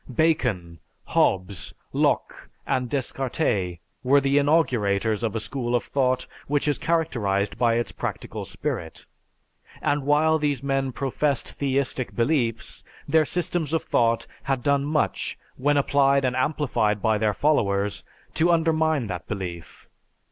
Bacon, Hobbes, Locke, and Descartes were the inaugurators of a school of thought which is characterized by its practical spirit; and while these men professed theistic beliefs, their systems of thought had done much, when applied and amplified by their followers, to undermine that belief.